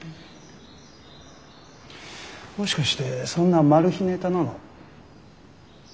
もしかしてそんなマル秘ネタなの？